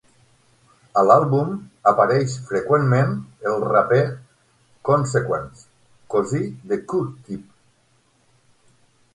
A l'àlbum apareix freqüentment el raper Consequence, cosí de Q-Tip.